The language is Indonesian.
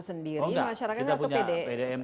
sendiri masyarakat atau pdm